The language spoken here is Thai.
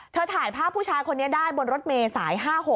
ถ่ายภาพผู้ชายคนนี้ได้บนรถเมย์สาย๕๖